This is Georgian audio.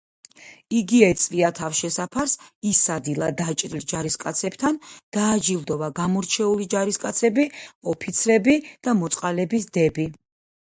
იგი ეწვია თავშესაფარს, ისადილა დაჭრილ ჯარისკაცებთან, დააჯილდოვა გამორჩეული ჯარისკაცები, ოფიცრები და მოწყალების დები.